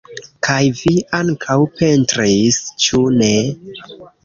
Kaj vi ankaŭ pentris, ĉu ne?